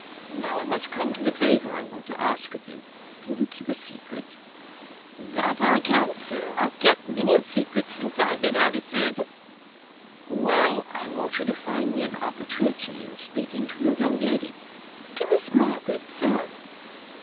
And now I must come to the favour I want to ask of you: can you keep a secret?" "That I can, Sir! I've kep' a many secrets since I've been out at service." "Well: I want you to find me an opportunity of speaking to your young lady " "To Miss Margaret, Sir?"